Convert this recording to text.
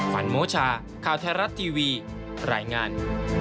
วันโมชาข่าวไทยรัฐทีวีรายงาน